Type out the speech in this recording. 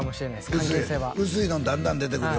関係性は薄いのだんだん出てくるよ